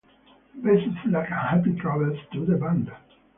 Best of luck and happy travels to the band.